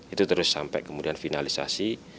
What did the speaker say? itu terus sampai kemudian finalisasi